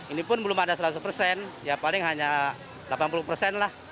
ini pun belum ada seratus persen ya paling hanya delapan puluh persen lah